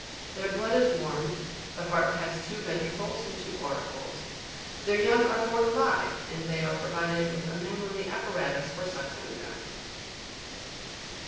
Their blood is warm ; the heart has two ventricles and two auricles; their young are born alive, and they are provided with a mammary apparatus for suckling them.